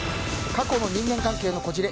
過去の人間関係のこじれ